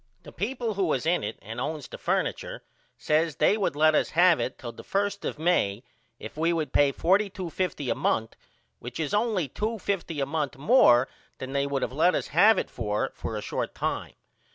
The people who was in it and owns the furniture says they would let us have it till the 1 of May if we would pay $42.50 a month which is only $2.50 a month more than they would of let us have it for for a short time.